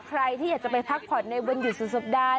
ใครที่อยากจะไปพักผ่อนในวันหยุดสุดสัปดาห์